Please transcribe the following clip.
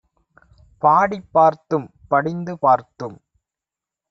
பாடிப் பார்த்தும் படிந்து பார்த்தும்